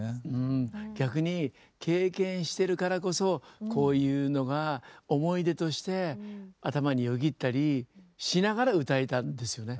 逆に経験してるからこそこういうのが思い出として頭によぎったりしながら歌えたんですよね